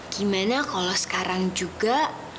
gimana kalau sekarang juga